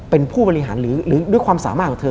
เป็นผู้บริหารหรือด้วยความสามารถของเธอ